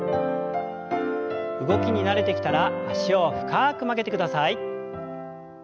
動きに慣れてきたら脚を深く曲げてください。